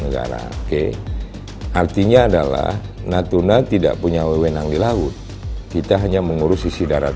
negara oke artinya adalah natuna tidak punya wewenang di laut kita hanya mengurus sisi darat